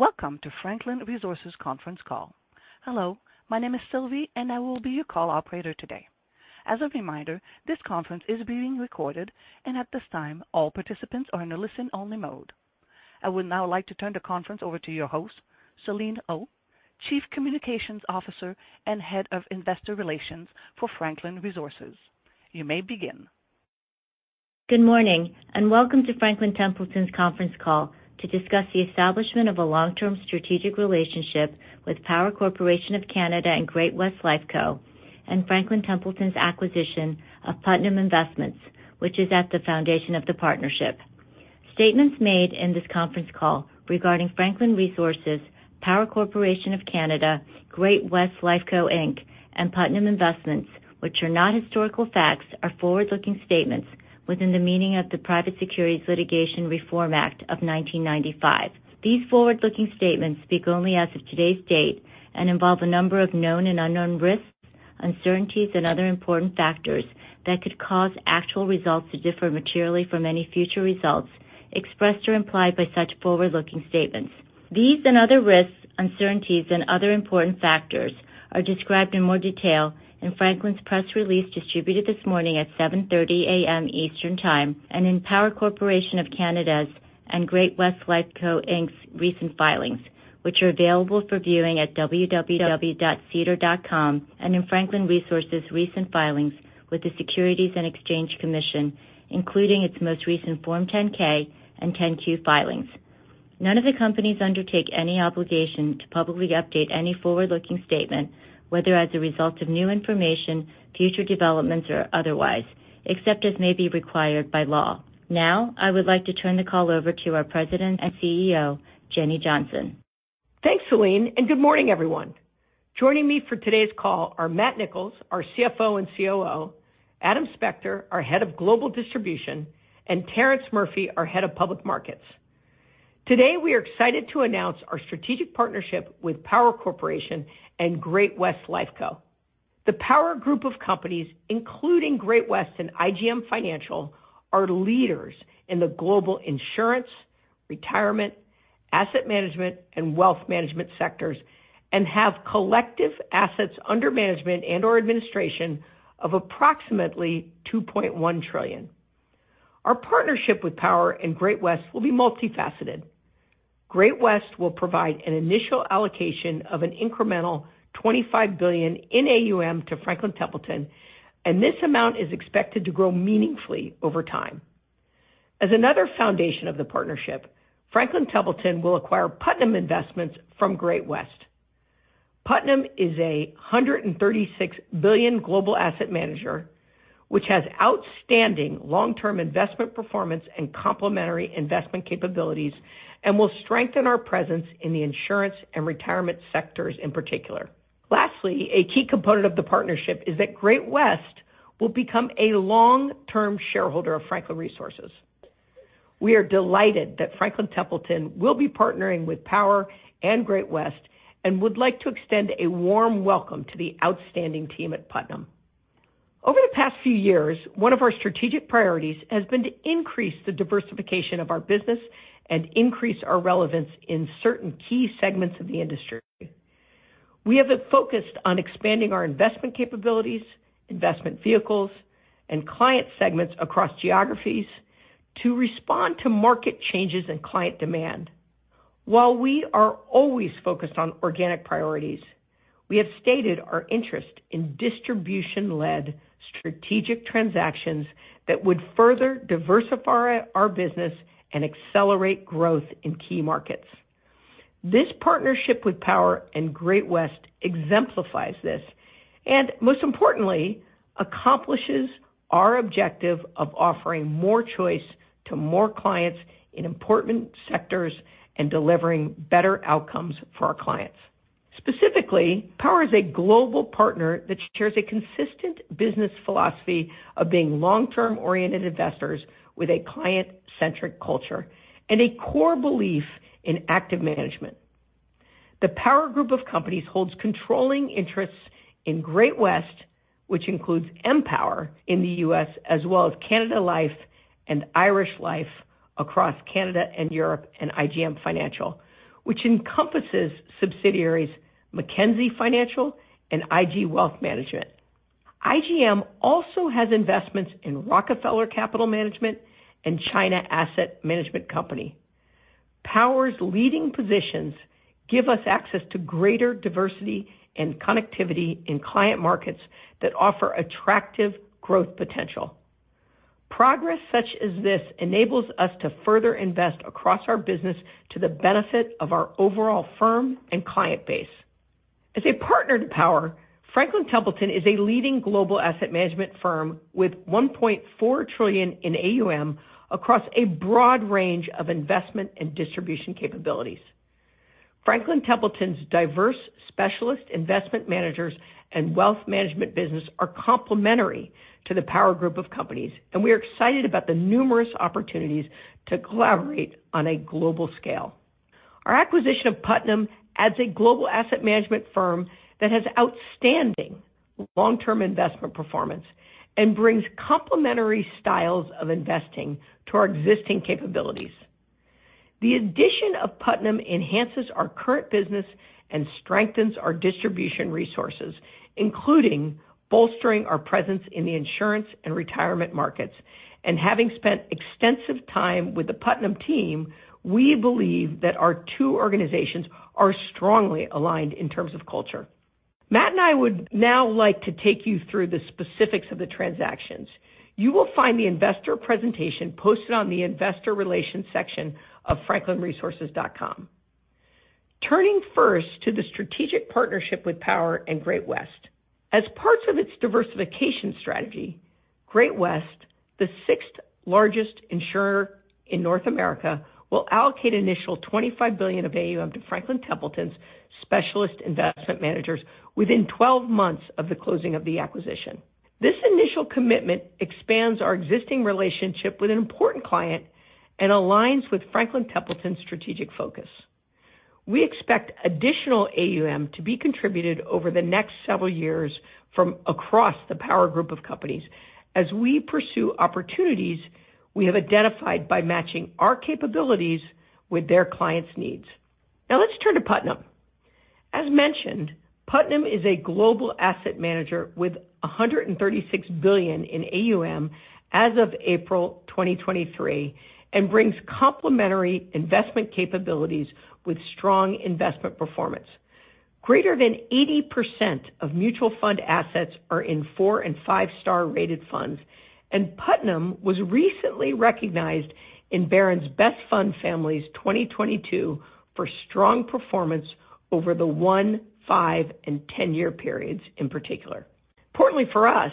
Welcome to Franklin Resources conference call. Hello, my name is Sylvie, and I will be your call operator today. As a reminder, this conference is being recorded, and at this time, all participants are in a listen-only mode. I would now like to turn the conference over to your host, Selene Oh, Chief Communications Officer and Head of Investor Relations for Franklin Resources. You may begin. Good morning, welcome to Franklin Templeton's conference call to discuss the establishment of a long-term strategic relationship with Power Corporation of Canada and Great-West Lifeco, and Franklin Templeton's acquisition of Putnam Investments, which is at the foundation of the partnership. Statements made in this conference call regarding Franklin Resources, Power Corporation of Canada, Great-West Lifeco Inc., and Putnam Investments, which are not historical facts, are forward-looking statements within the meaning of the Private Securities Litigation Reform Act of 1995. These forward-looking statements speak only as of today's date and involve a number of known and unknown risks, uncertainties, and other important factors that could cause actual results to differ materially from any future results expressed or implied by such forward-looking statements. These and other risks, uncertainties, and other important factors are described in more detail in Franklin's press release distributed this morning at 7:30 A.M. Eastern Time and in Power Corporation of Canada's and Great-West Lifeco Inc.'s recent filings, which are available for viewing at www.sedar.com, and in Franklin Resources' recent filings with the Securities and Exchange Commission, including its most recent Form 10-K and 10-Q filings. None of the companies undertake any obligation to publicly update any forward-looking statement, whether as a result of new information, future developments, or otherwise, except as may be required by law. Now, I would like to turn the call over to our President and Chief Executive Officer, Jenny Johnson. Thanks, Selene, Good morning, everyone. Joining me for today's call are Matthew Nicholls, our Chief Financial Officer and Chief Operating Officer, Adam Spector, our Head of Global Distribution, and Terrence Murphy, our Head of Public Markets. Today, we are excited to announce our strategic partnership with Power Corporation and Great-West Lifeco. The Power Group of companies, including Great-West and IGM Financial, are leaders in the global insurance, retirement, asset management, and wealth management sectors and have collective assets under management and/or administration of approximately $2.1 trillion. Our partnership with Power and Great-West will be multifaceted. Great-West will provide an initial allocation of an incremental $25 billion in AUM to Franklin Templeton, This amount is expected to grow meaningfully over time. As another foundation of the partnership, Franklin Templeton will acquire Putnam Investments from Great-West. Putnam is a $136 billion global asset manager, which has outstanding long-term investment performance and complementary investment capabilities and will strengthen our presence in the insurance and retirement sectors in particular. A key component of the partnership is that Great-West will become a long-term shareholder of Franklin Resources. We are delighted that Franklin Templeton will be partnering with Power and Great-West and would like to extend a warm welcome to the outstanding team at Putnam. Over the past few years, one of our strategic priorities has been to increase the diversification of our business and increase our relevance in certain key segments of the industry. We have been focused on expanding our investment capabilities, investment vehicles, and client segments across geographies to respond to market changes and client demand. While we are always focused on organic priorities, we have stated our interest in distribution-led strategic transactions that would further diversify our business and accelerate growth in key markets. This partnership with Power and Great-West exemplifies this and, most importantly, accomplishes our objective of offering more choice to more clients in important sectors and delivering better outcomes for our clients. Specifically, Power is a global partner that shares a consistent business philosophy of being long-term-oriented investors with a client-centric culture and a core belief in active management. The Power Group of companies holds controlling interests in Great-West, which includes Empower in the U.S., as well as Canada Life and Irish Life across Canada and Europe, and IGM Financial, which encompasses subsidiaries Mackenzie Financial and IG Wealth Management. IGM also has investments in Rockefeller Capital Management and China Asset Management Company. Power's leading positions give us access to greater diversity and connectivity in client markets that offer attractive growth potential. Progress such as this enables us to further invest across our business to the benefit of our overall firm and client base. As a partner to Power, Franklin Templeton is a leading global asset management firm with $1.4 trillion in AUM across a broad range of investment and distribution capabilities. Franklin Templeton's diverse specialist investment managers and wealth management business are complementary to the Power Group of companies, and we are excited about the numerous opportunities to collaborate on a global scale. Our acquisition of Putnam adds a global asset management firm that has outstanding long-term investment performance and brings complementary styles of investing to our existing capabilities. Having spent extensive time with the Putnam team, we believe that our two organizations are strongly aligned in terms of culture. Matt and I would now like to take you through the specifics of the transactions. You will find the investor presentation posted on the Investor Relations section of franklinresources.com. Turning first to the strategic partnership with Power and Great-West. As parts of its diversification strategy, Great-West, the sixth largest insurer in North America, will allocate initial $25 billion of AUM to Franklin Templeton's specialist investment managers within 12 months of the closing of the acquisition. This initial commitment expands our existing relationship with an important client and aligns with Franklin Templeton's strategic focus. We expect additional AUM to be contributed over the next several years from across the Power Group of companies. As we pursue opportunities, we have identified by matching our capabilities with their clients' needs. Now let's turn to Putnam. As mentioned, Putnam is a global asset manager with $136 billion in AUM as of April 2023, and brings complementary investment capabilities with strong investment performance. Greater than 80% of mutual fund assets are in four and five star rated funds, Putnam was recently recognized in Barron's Best Fund Families 2022 for strong performance over the one-, five-, and 10-year periods in particular. Importantly for us,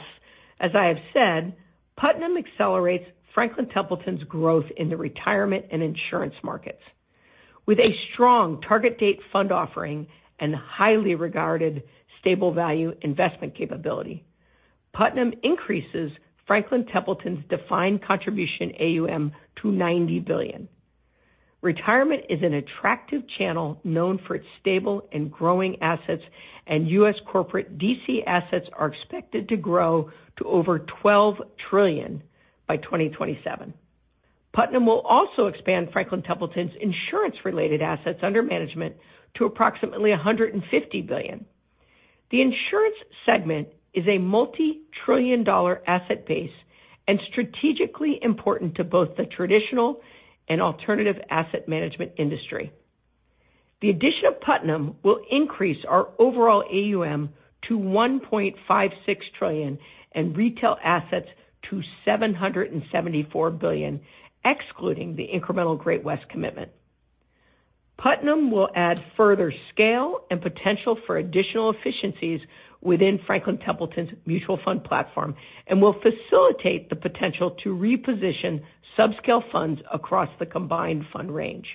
as I have said, Putnam accelerates Franklin Templeton's growth in the retirement and insurance markets. With a strong target date fund offering and highly regarded stable value investment capability, Putnam increases Franklin Templeton's defined contribution AUM to $90 billion. Retirement is an attractive channel known for its stable and growing assets, and U.S corporate DC assets are expected to grow to over $12 trillion by 2027. Putnam will also expand Franklin Templeton's insurance-related assets under management to approximately $150 billion. The insurance segment is a multi-trillion dollar asset base and strategically important to both the traditional and alternative asset management industry. The addition of Putnam will increase our overall AUM to $1.56 trillion and retail assets to $774 billion, excluding the incremental Great-West commitment. Putnam will add further scale and potential for additional efficiencies within Franklin Templeton's mutual fund platform and will facilitate the potential to reposition subscale funds across the combined fund range.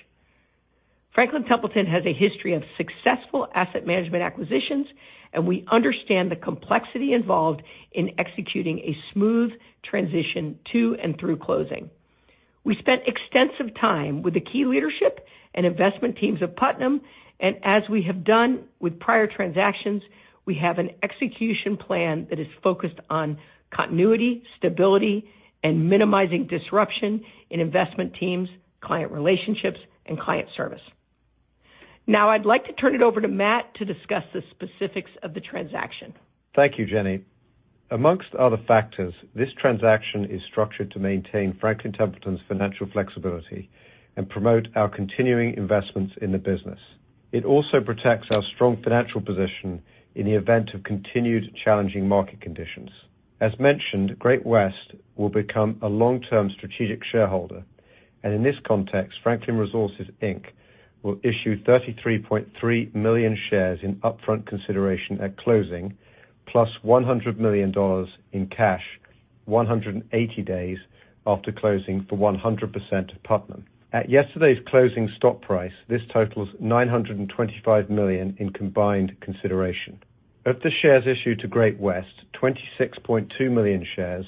Franklin Templeton has a history of successful asset management acquisitions. We understand the complexity involved in executing a smooth transition to and through closing. We spent extensive time with the key leadership and investment teams of Putnam. As we have done with prior transactions, we have an execution plan that is focused on continuity, stability, and minimizing disruption in investment teams, client relationships, and client service. Now, I'd like to turn it over to Matt to discuss the specifics of the transaction. Thank you, Jenny. Amongst other factors, this transaction is structured to maintain Franklin Templeton's financial flexibility and promote our continuing investments in the business. It also protects our strong financial position in the event of continued challenging market conditions. As mentioned, Great-West will become a long-term strategic shareholder, and in this context, Franklin Resources, Inc. will issue 33.3 million shares in upfront consideration at closing, plus $100 million in cash 180 days after closing for 100% of Putnam. At yesterday's closing stock price, this totals $925 million in combined consideration. Of the shares issued to Great-West, 26.2 million shares,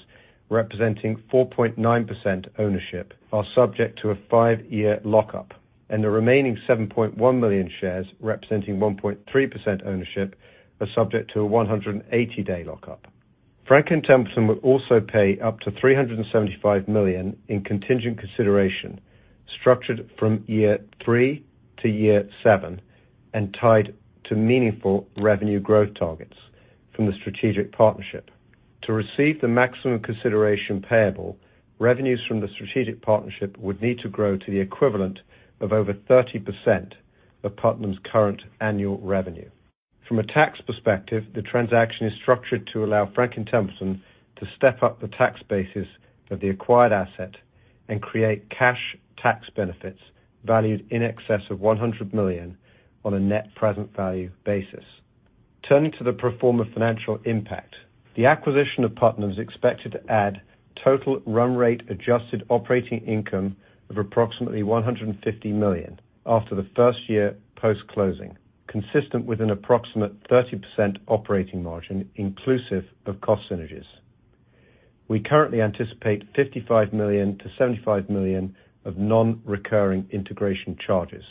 representing 4.9% ownership, are subject to a five-year lockup, and the remaining 7.1 million shares, representing 1.3% ownership, are subject to a 180-day lockup. Franklin Templeton will also pay up to $375 million in contingent consideration, structured from year three to year seven and tied to meaningful revenue growth targets from the strategic partnership. To receive the maximum consideration payable, revenues from the strategic partnership would need to grow to the equivalent of over 30% of Putnam's current annual revenue. From a tax perspective, the transaction is structured to allow Franklin Templeton to step up the tax basis of the acquired asset and create cash tax benefits valued in excess of $100 million on a net present value basis. Turning to the pro forma financial impact, the acquisition of Putnam is expected to add total run rate adjusted operating income of approximately $150 million after the first year post-closing, consistent with an approximate 30% operating margin, inclusive of cost synergies. We currently anticipate $55 million-$75 million of non-recurring integration charges.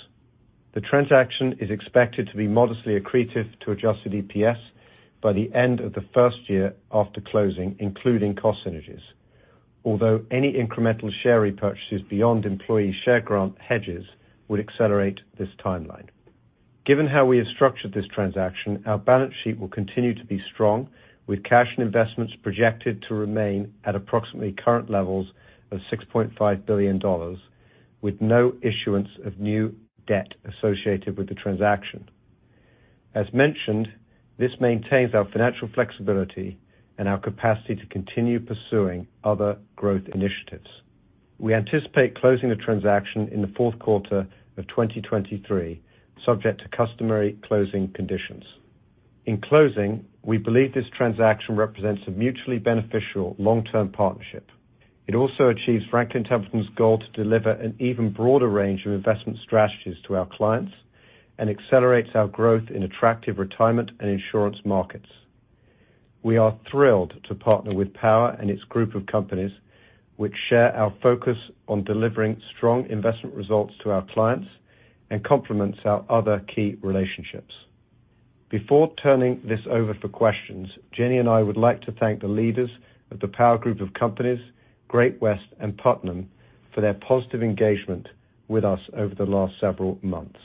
The transaction is expected to be modestly accretive to adjusted EPS by the end of the first year after closing, including cost synergies. Any incremental share repurchases beyond employee share grant hedges would accelerate this timeline. Given how we have structured this transaction, our balance sheet will continue to be strong, with cash and investments projected to remain at approximately current levels of $6.5 billion, with no issuance of new debt associated with the transaction. As mentioned, this maintains our financial flexibility and our capacity to continue pursuing other growth initiatives. We anticipate closing the transaction in the fourth quarter of 2023, subject to customary closing conditions. In closing, we believe this transaction represents a mutually beneficial long-term partnership. It also achieves Franklin Templeton's goal to deliver an even broader range of investment strategies to our clients and accelerates our growth in attractive retirement and insurance markets. We are thrilled to partner with Power and its group of companies, which share our focus on delivering strong investment results to our clients and complements our other key relationships. Before turning this over for questions, Jenny and I would like to thank the leaders of the Power Group of companies, Great-West, and Putnam, for their positive engagement with us over the last several months.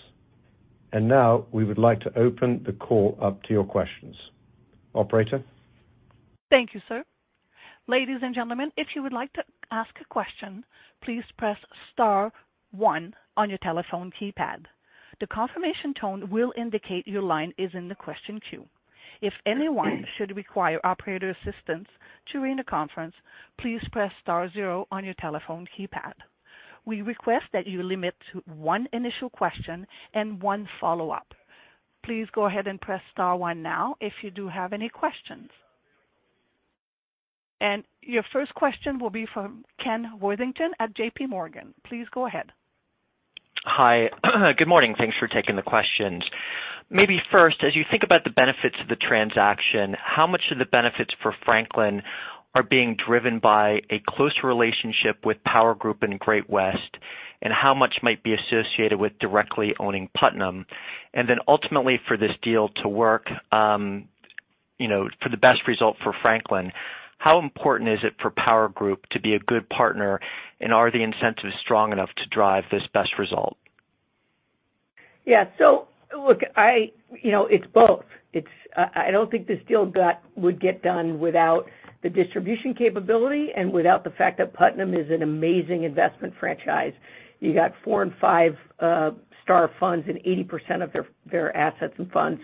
Now we would like to open the call up to your questions. Operator? Thank you, sir. Ladies and gentlemen, if you would like to ask a question, please press star one on your telephone keypad. The confirmation tone will indicate your line is in the question queue. If anyone should require operator assistance during the conference, please press star zero on your telephone keypad. We request that you limit to one initial question and one follow-up. Please go ahead and press star one now if you do have any questions. Your first question will be from Ken Worthington at J.P. Morgan. Please go ahead. Hi. Good morning. Thanks for taking the questions. Maybe first, as you think about the benefits of the transaction, how much of the benefits for Franklin are being driven by a close relationship with Power Group and Great-West, and how much might be associated with directly owning Putnam? Ultimately, for this deal to work, you know, for the best result for Franklin, how important is it for Power Group to be a good partner, and are the incentives strong enough to drive this best result? Look, you know, it's both. It's I don't think this deal would get done without the distribution capability and without the fact that Putnam is an amazing investment franchise. You got four and five star funds and 80% of their assets and funds.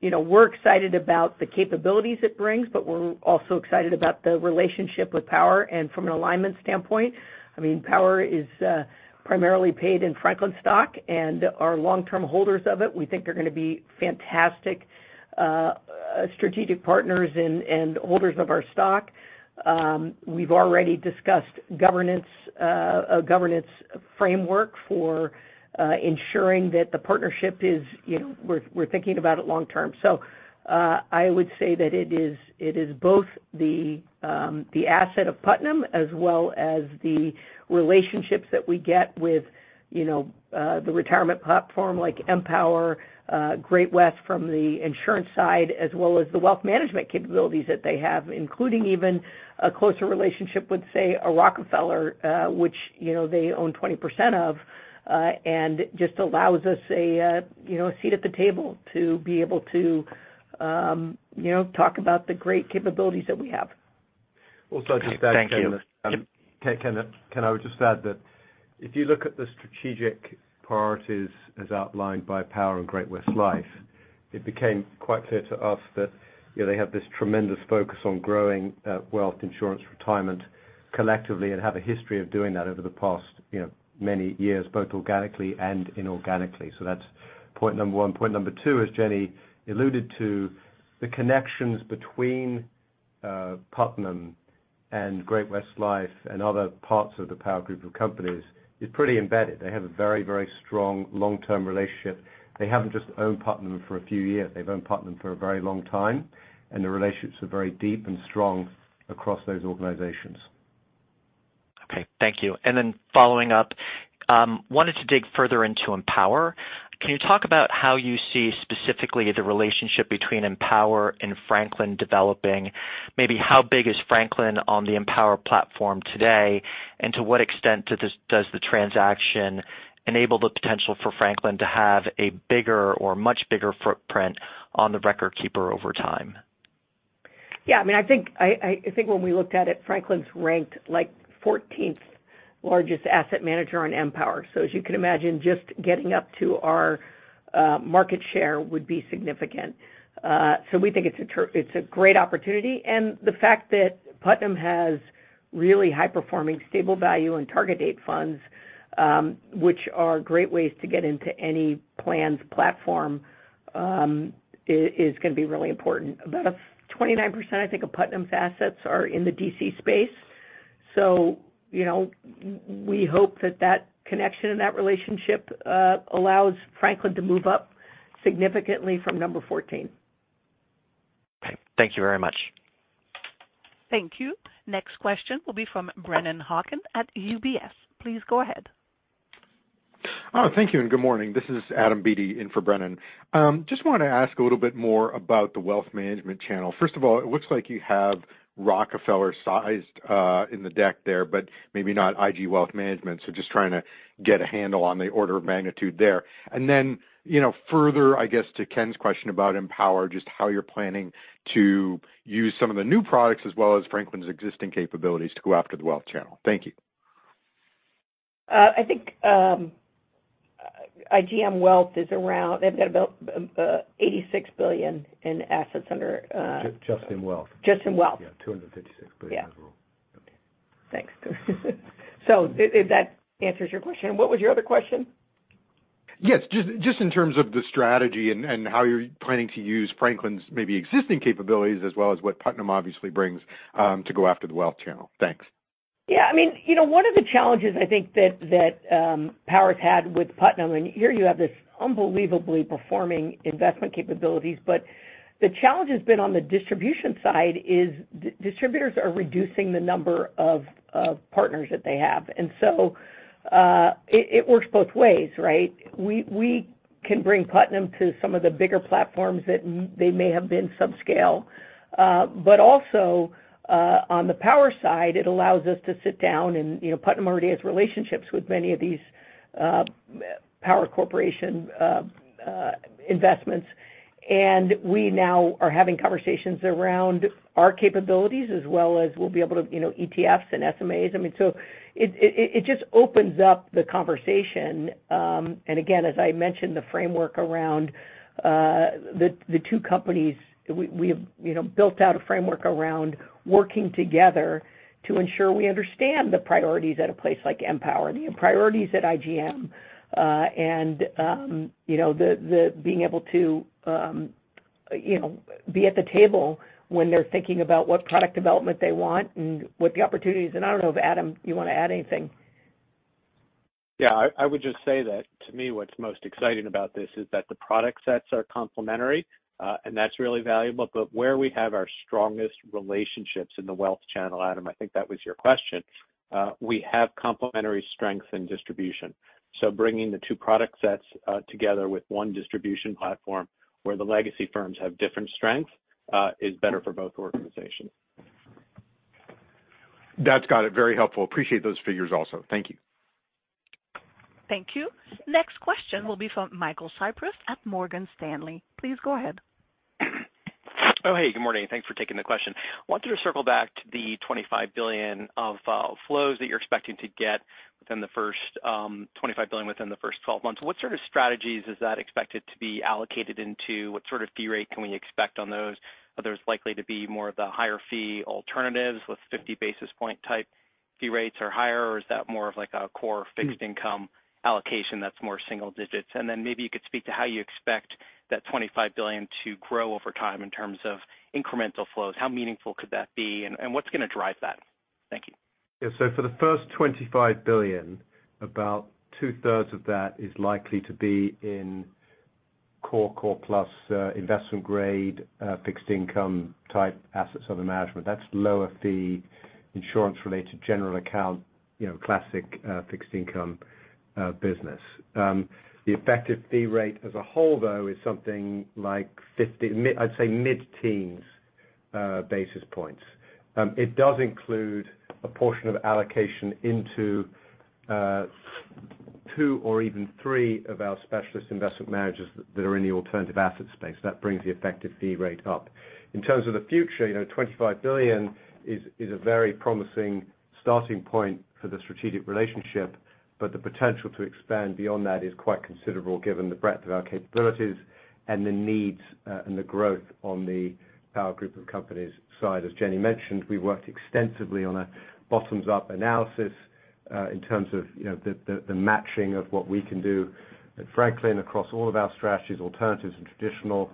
You know, we're excited about the capabilities it brings, but we're also excited about the relationship with Power. From an alignment standpoint, I mean, Power is primarily paid in Franklin stock and are long-term holders of it. We think they're gonna be fantastic strategic partners and holders of our stock. We've already discussed governance, a governance framework for ensuring that the partnership is, you know, we're thinking about it long term. I would say that it is both the asset of Putnam as well as the relationships that we get with, you know, the retirement platform like Empower, Great-West from the insurance side, as well as the wealth management capabilities that they have, including even a closer relationship with, say, a Rockefeller, which, you know, they own 20% of, and just allows us a, you know, a seat at the table to be able to, you know, talk about the great capabilities that we have. Just to add, Ken- Thank you. Ken, I would just add that if you look at the strategic priorities as outlined by Power and Great-West Life, it became quite clear to us that, you know, they have this tremendous focus on growing, wealth, insurance, retirement collectively, and have a history of doing that over the past, you know, many years, both organically and inorganically. That's point number one. Point number two, as Jenny alluded to, the connections between, Putnam and Great-West Life and other parts of the Power Group of companies is pretty embedded. They have a very strong long-term relationship. They haven't just owned Putnam for a few years. They've owned Putnam for a very long time, and the relationships are very deep and strong across those organizations. Okay, thank you. Following up, wanted to dig further into Empower. Can you talk about how you see specifically the relationship between Empower and Franklin developing? Maybe how big is Franklin on the Empower platform today, and to what extent does the transaction enable the potential for Franklin to have a bigger or much bigger footprint on the record keeper over time? I mean, I think, I think when we looked at it, Franklin's ranked like 14th largest asset manager on Empower. As you can imagine, just getting up to our market share would be significant. So we think it's a great opportunity, and the fact that Putnam has really high-performing, stable value and target date funds, which are great ways to get into any plans platform, is gonna be really important. About 29%, I think, of Putnam's assets are in the D.C. space. You know, we hope that that connection and that relationship allows Franklin to move up significantly from number 14. Thank you very much. Thank you. Next question will be from Brennan Hawken at UBS. Please go ahead. Thank you, good morning. This is Adam Beatty in for Brennan. Just want to ask a little bit more about the wealth management channel. First of all, it looks like you have Rockefeller sized in the deck there, maybe not IG Wealth Management. Just trying to get a handle on the order of magnitude there. You know, further, I guess, to Ken's question about Empower, just how you're planning to use some of the new products as well as Franklin's existing capabilities to go after the wealth channel. Thank you. I think, IG Wealth Management they've got about, $86 billion in assets under. Just in wealth. Just in wealth. Yeah, $256 billion overall. Yeah. Okay. Thanks. If that answers your question, what was your other question? Yes, just in terms of the strategy and how you're planning to use Franklin's maybe existing capabilities as well as what Putnam obviously brings to go after the wealth channel. Thanks. Yeah, I mean, you know, one of the challenges I think that Power's had with Putnam, and here you have this unbelievably performing investment capabilities, but the challenge has been on the distribution side, is distributors are reducing the number of partners that they have. It works both ways, right? We can bring Putnam to some of the bigger platforms that they may have been subscale. Also on the Power side, it allows us to sit down and, you know, Putnam already has relationships with many of these Power Corporation investments. We now are having conversations around our capabilities as well as we'll be able to, you know, ETFs and SMAs. It just opens up the conversation. Again, as I mentioned, the framework around the two companies, we have, you know, built out a framework around working together to ensure we understand the priorities at a place like Empower, the priorities at IGM. You know, the being able to, you know, be at the table when they're thinking about what product development they want and what the opportunities. I don't know if, Adam, you want to add anything? Yeah, I would just say that to me, what's most exciting about this is that the product sets are complementary, and that's really valuable. Where we have our strongest relationships in the wealth channel, Adam, I think that was your question, we have complementary strength and distribution. Bringing the two product sets together with one distribution platform where the legacy firms have different strengths, is better for both organizations. That's got it. Very helpful. Appreciate those figures also. Thank you. Thank you. Next question will be from Michael Cyprys at Morgan Stanley. Please go ahead. Good morning, thanks for taking the question. Wanted to circle back to the $25 billion of flows that you're expecting to get within the first $25 billion within the first 12 months. What sort of strategies is that expected to be allocated into? What sort of fee rate can we expect on those? Are those likely to be more of the higher fee alternatives with 50 basis point type fee rates or higher, or is that more of like a core fixed income allocation that's more single digits? Maybe you could speak to how you expect that $25 billion to grow over time in terms of incremental flows. How meaningful could that be, and what's going to drive that? Thank you. For the first $25 billion, about two thirds of that is likely to be in core plus, investment grade, fixed income type assets under management. That's lower fee, insurance-related, general account, you know, classic, fixed income business. The effective fee rate as a whole, though, is something like mid-teens basis points. It does include a portion of allocation into two or even three of our specialist investment managers that are in the alternative asset space. That brings the effective fee rate up. In terms of the future, you know, $25 billion is a very promising starting point for the strategic relationship, but the potential to expand beyond that is quite considerable given the breadth of our capabilities and the needs and the growth on the Power Group of companies' side. As Jenny mentioned, we worked extensively on a bottoms-up analysis, in terms of, you know, the, the matching of what we can do at Franklin across all of our strategies, alternatives and traditional,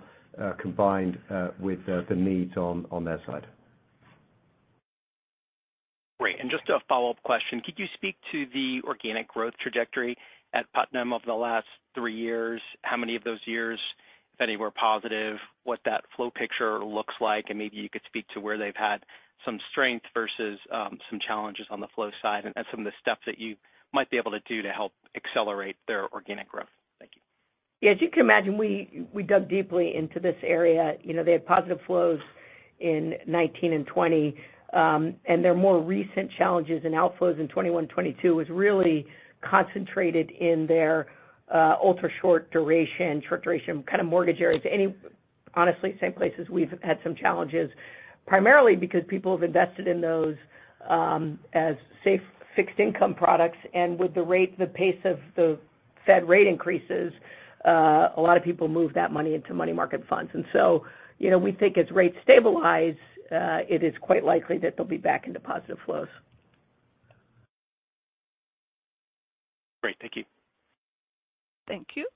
combined, with the needs on their side. Great. Just a follow-up question, could you speak to the organic growth trajectory at Putnam over the last three years? How many of those years, if any, were positive, what that flow picture looks like, and maybe you could speak to where they've had some strength versus some challenges on the flow side, and some of the steps that you might be able to do to help accelerate their organic growth? Thank you. Yeah, as you can imagine, we dug deeply into this area. You know, they had positive flows in 19 and 20. Their more recent challenges and outflows in 21, 22 was really concentrated in their ultra-short duration, short duration, kind of mortgage areas. Honestly, same places we've had some challenges, primarily because people have invested in those as safe fixed income products, and with the rate, the pace of the Fed rate increases, a lot of people moved that money into money market funds. You know, we think as rates stabilize, it is quite likely that they'll be back into positive flows. Great. Thank you. Thank you.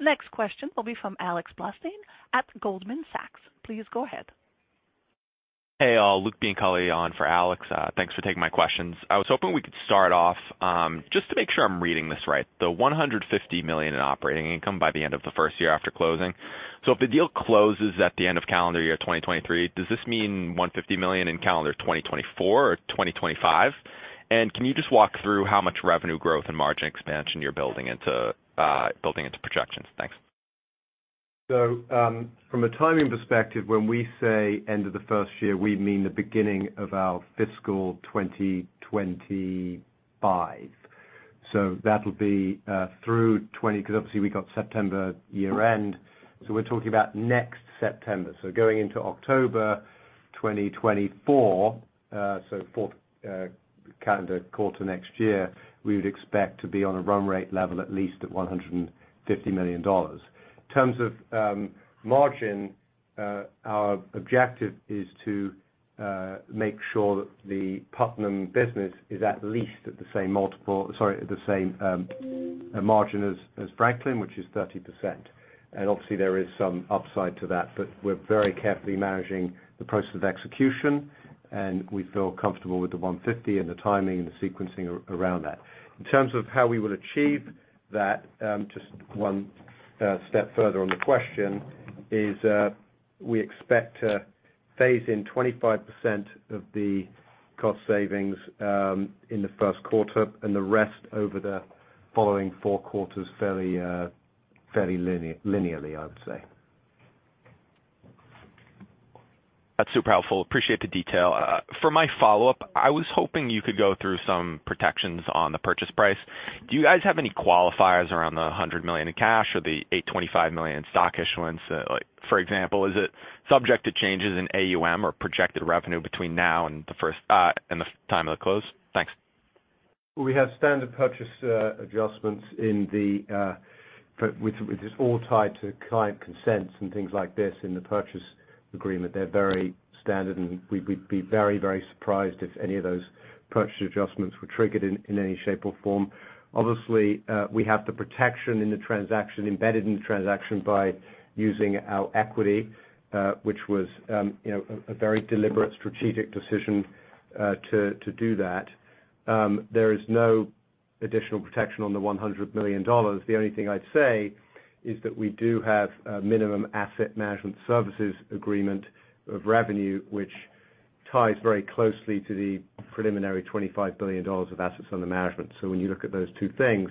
Next question will be from Alex Blostein at Goldman Sachs. Please go ahead. Hey, all, Luke Bianculli on for Alex. Thanks for taking my questions. I was hoping we could start off, just to make sure I'm reading this right, the $150 million in operating income by the end of the first year after closing. If the deal closes at the end of calendar year 2023, does this mean $150 million in calendar 2024 or 2025? Can you just walk through how much revenue growth and margin expansion you're building into, building into projections? Thanks. From a timing perspective, when we say end of the first year, we mean the beginning of our fiscal 2025. That'll be through 20, because obviously we got September year end, so we're talking about next September. Going into October 2024, so fourth calendar quarter next year, we would expect to be on a run rate level at least at $150 million. In terms of margin, our objective is to make sure that the Putnam business is at least at the same multiple, sorry, the same margin as Franklin, which is 30%. Obviously there is some upside to that, but we're very carefully managing the process of execution, and we feel comfortable with the 150 and the timing and the sequencing around that. In terms of how we will achieve that, just one step further on the question is, we expect to phase in 25% of the cost savings, in the first quarter and the rest over the following four quarters, fairly linearly, I would say. That's super helpful. Appreciate the detail. For my follow-up, I was hoping you could go through some protections on the purchase price. Do you guys have any qualifiers around the $100 million in cash or the $825 million stock issuance? Like, for example, is it subject to changes in AUM or projected revenue between now and the time of the close? Thanks. We have standard purchase adjustments which is all tied to client consents and things like this in the purchase agreement. They're very standard. We'd be very, very surprised if any of those purchase adjustments were triggered in any shape or form. Obviously, we have the protection in the transaction, embedded in the transaction by using our equity, which was, you know, a very deliberate strategic decision to do that. There is no additional protection on the $100 million. The only thing I'd say is that we do have a minimum asset management services agreement of revenue, which ties very closely to the preliminary $25 billion of assets under management. When you look at those two things,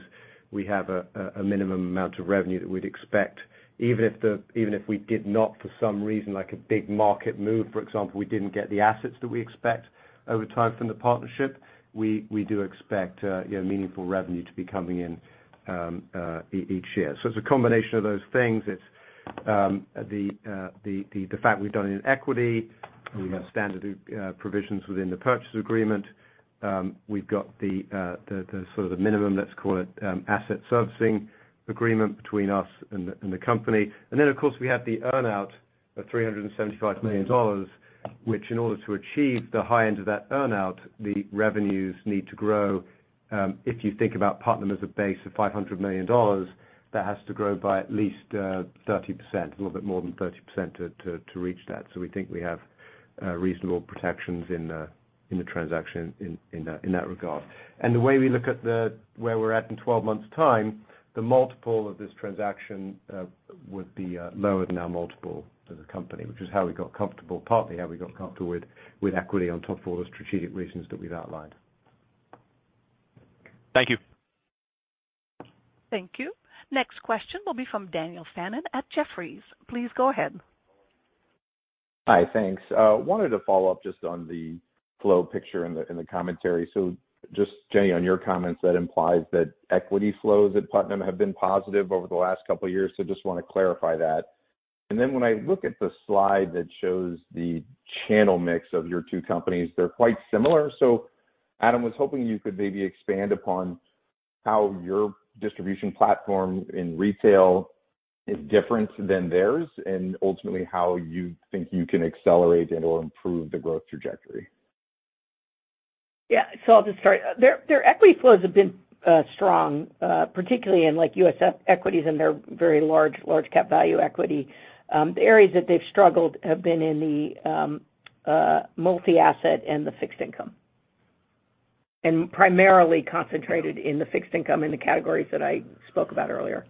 we have a minimum amount of revenue that we'd expect, even if we did not, for some reason, like a big market move, for example, we didn't get the assets that we expect over time from the partnership. We do expect, you know, meaningful revenue to be coming in each year. It's a combination of those things. It's the fact we've done it in equity. We have standard provisions within the purchase agreement. We've got the sort of the minimum, let's call it, asset servicing agreement between us and the company. Of course, we have the earn-out of $375 million, which in order to achieve the high end of that earn-out, the revenues need to grow. If you think about Putnam as a base of $500 million, that has to grow by at least 30%, a little bit more than 30% to reach that. We think we have reasonable protections in the transaction, in that regard. The way we look at the, where we're at in 12 months time, the multiple of this transaction would be lower than our multiple as a company, which is how we got comfortable, partly how we got comfortable with equity on top of all the strategic reasons that we've outlined. Thank you. Thank you. Next question will be from Daniel Fannon at Jefferies. Please go ahead. Hi, thanks. Wanted to follow up just on the flow picture in the, in the commentary. Just, Jenny, on your comments, that implies that equity flows at Putnam have been positive over the last couple of years, so just want to clarify that. When I look at the slide that shows the channel mix of your two companies, they're quite similar. Adam, I was hoping you could maybe expand upon how your distribution platform in retail is different than theirs, and ultimately how you think you can accelerate and/or improve the growth trajectory. I'll just start. Their equity flows have been strong, particularly in like non-US equities and their very large cap value equity. The areas that they've struggled have been in the multi-asset and the fixed income. Primarily concentrated in the fixed income in the categories that I spoke about earlier.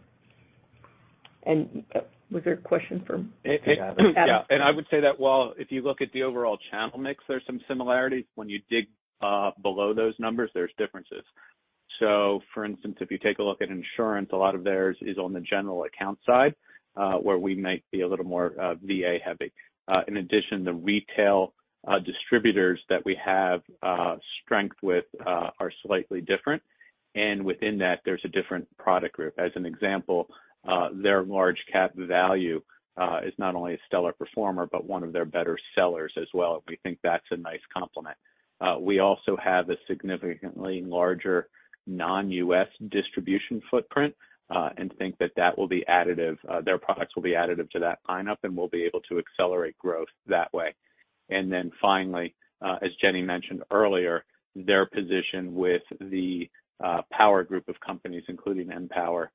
Was there a question? Yeah, I would say that while if you look at the overall channel mix, there's some similarities. When you dig below those numbers, there's differences. For instance, if you take a look at insurance, a lot of theirs is on the general account side, where we might be a little more VA heavy. In addition, the retail distributors that we have strength with are slightly different, and within that, there's a different product group. As an example, their large cap value is not only a stellar performer, but one of their better sellers as well, and we think that's a nice complement. We also have a significantly larger non-US distribution footprint, and think that that will be additive, their products will be additive to that lineup, and we'll be able to accelerate growth that way. Finally, as Jenny mentioned earlier, their position with the Power Group of companies, including Empower,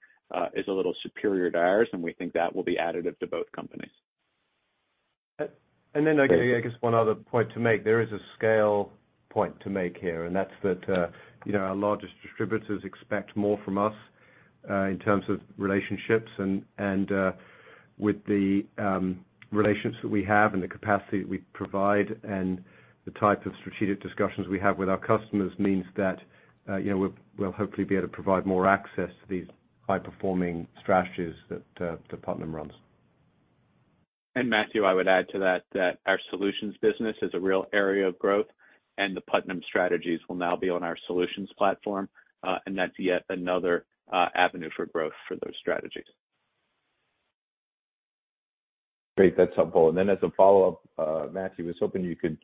is a little superior to ours, and we think that will be additive to both companies. I guess, one other point to make, there is a scale point to make here, and that's that, you know, our largest distributors expect more from us, in terms of relationships, and with the relationships that we have and the capacity that we provide and the type of strategic discussions we have with our customers means that, you know, we'll hopefully be able to provide more access to these high-performing strategies that Putnam runs. Matthew, I would add to that our solutions business is a real area of growth, and the Putnam strategies will now be on our solutions platform, and that's yet another avenue for growth for those strategies. Great, that's helpful. As a follow-up, Matthew, I was hoping you could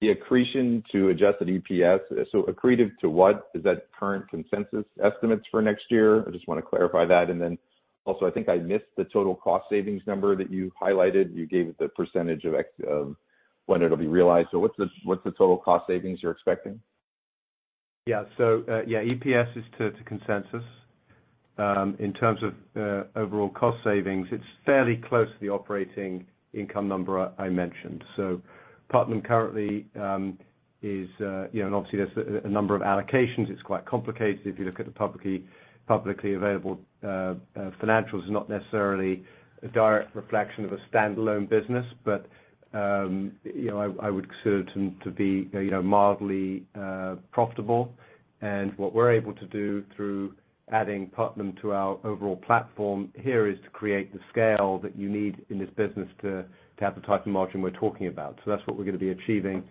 the accretion to adjusted EPS. Accretive to what? Is that current consensus estimates for next year? I just want to clarify that. I think I missed the total cost savings number that you highlighted. You gave the percentage of when it'll be realized. What's the total cost savings you're expecting? Yeah, EPS is to consensus. In terms of overall cost savings, it's fairly close to the operating income number I mentioned. Putnam currently is, you know, and obviously, there's a number of allocations. It's quite complicated. If you look at the publicly available financials, it's not necessarily a direct reflection of a standalone business, but, you know, I would consider it to be, you know, mildly profitable. What we're able to do through adding Putnam to our overall platform here is to create the scale that you need in this business to have the type of margin we're talking about. That's what we're going to be achieving.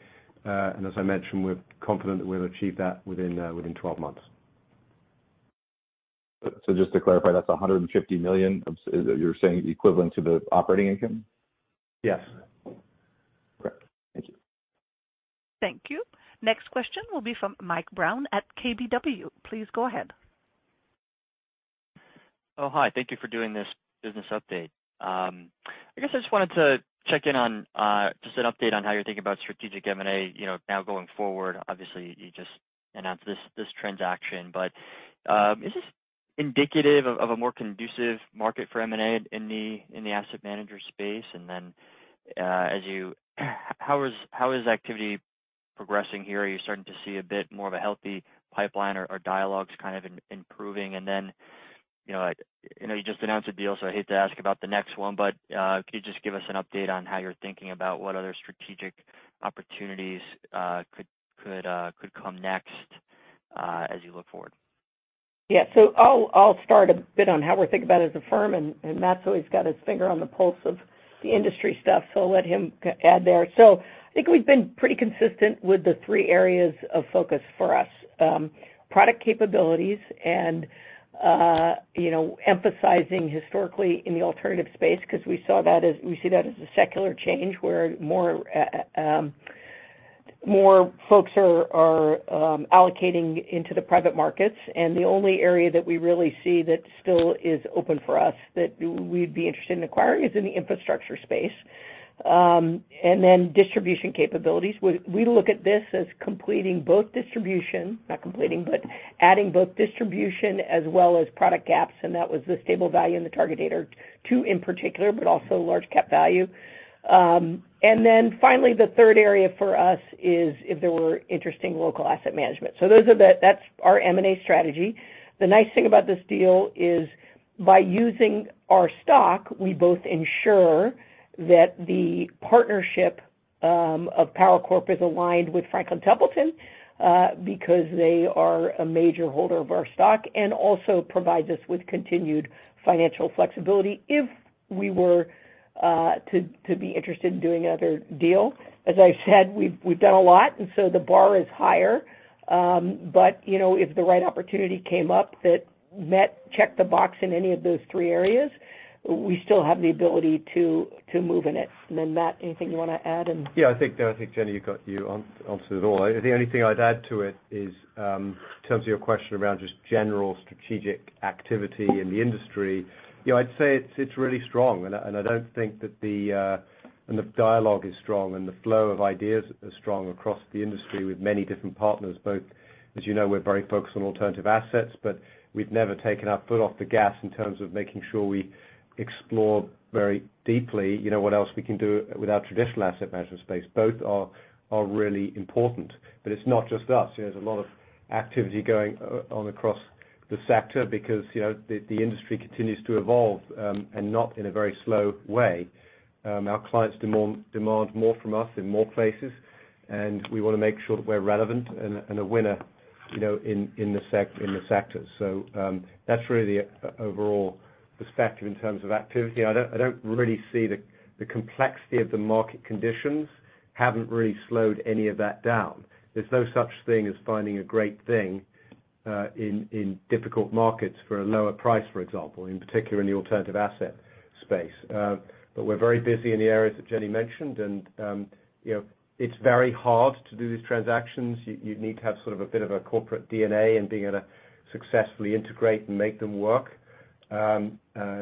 As I mentioned, we're confident that we'll achieve that within 12 months. Just to clarify, that's $150 million, you're saying equivalent to the operating income? Yes. Great. Thank you. Thank you. Next question will be from Mike Brown at KBW. Please go ahead. Hi, thank you for doing this business update. I guess I just wanted to check in on just an update on how you're thinking about strategic M&A, you know, now going forward. Obviously, you just announced this transaction, but is this indicative of a more conducive market for M&A in the asset manager space? How is activity progressing here? Are you starting to see a bit more of a healthy pipeline or dialogues kind of improving? You know, I know you just announced a deal, so I hate to ask about the next one, but could you just give us an update on how you're thinking about what other strategic opportunities could come next as you look forward? I'll start a bit on how we're thinking about it as a firm, and Matt's always got his finger on the pulse of the industry stuff, so I'll let him add there. I think we've been pretty consistent with the three areas of focus for us. Product capabilities and, you know, emphasizing historically in the alternative space, because we see that as a secular change, where more folks are allocating into the private markets. The only area that we really see that still is open for us that we'd be interested in acquiring is in the infrastructure space. Distribution capabilities. We look at this as completing both distribution, not completing, but adding both distribution as well as product gaps, and that was the stable value in the target date or two in particular, but also large cap value. Then finally, the third area for us is if there were interesting local asset management. That's our M&A strategy. The nice thing about this deal is, by using our stock, we both ensure that the partnership of PowerCorp is aligned with Franklin Templeton, because they are a major holder of our stock, and also provides us with continued financial flexibility if we were to be interested in doing another deal. As I said, we've done a lot, the bar is higher. You know, if the right opportunity came up that met, checked the box in any of those three areas, we still have the ability to move in it. Matt, anything you want to add. I think, no, I think, Jenny, you answered it all. I, the only thing I'd add to it is, in terms of your question around just general strategic activity in the industry, you know, I'd say it's really strong, and I don't think that the, and the dialogue is strong and the flow of ideas are strong across the industry with many different partners. Both, as you know, we're very focused on alternative assets, but we've never taken our foot off the gas in terms of making sure we explore very deeply, you know, what else we can do with our traditional asset management space. Both are really important, but it's not just us. You know, there's a lot of activity going on across the sector because, you know, the industry continues to evolve, and not in a very slow way. Our clients demand more from us in more places, and we want to make sure that we're relevant and a winner, you know, in the sector. That's really the overall perspective in terms of activity. I don't really see the complexity of the market conditions haven't really slowed any of that down. There's no such thing as finding a great thing in difficult markets for a lower price, for example, in particular in the alternative asset space. We're very busy in the areas that Jenny mentioned, and, you know, it's very hard to do these transactions. You need to have sort of a bit of a corporate DNA and being able to successfully integrate and make them work.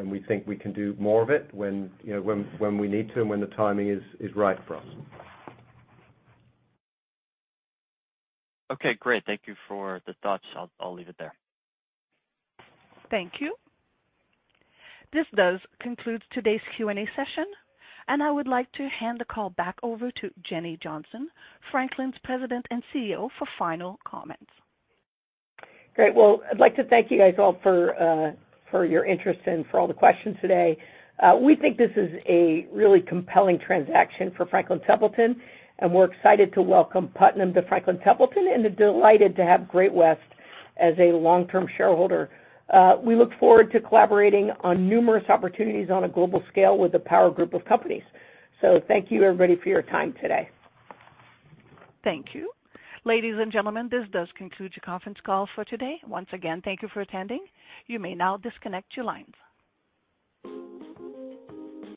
We think we can do more of it when, you know, when we need to and when the timing is right for us. Okay, great. Thank you for the thoughts. I'll leave it there. Thank you. This does conclude today's Q&A session, and I would like to hand the call back over to Jenny Johnson, Franklin's President and Chief Executive Officer, for final comments. I'd like to thank you guys all for your interest and for all the questions today. We think this is a really compelling transaction for Franklin Templeton, and we're excited to welcome Putnam to Franklin Templeton, and are delighted to have Great-West as a long-term shareholder. We look forward to collaborating on numerous opportunities on a global scale with the Power Group of companies. Thank you, everybody, for your time today. Thank you. Ladies and gentlemen, this does conclude your conference call for today. Once again, thank you for attending. You may now disconnect your lines.